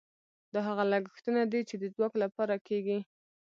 دا هغه لګښتونه دي چې د ځواک لپاره کیږي.